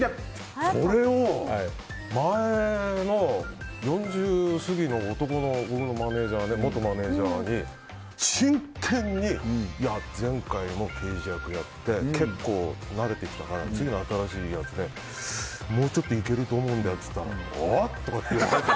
それを４０過ぎの男の僕の元マネジャーに、真剣に前回も刑事役やって結構慣れてきたから次の新しいやつでもうちょっといけると思うんだよって言ったらおっ！って言われて。